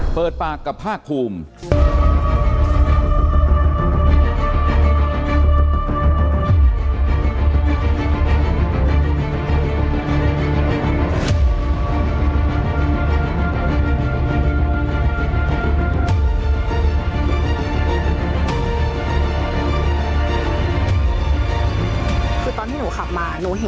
เปิดปากกับภาคภูมิ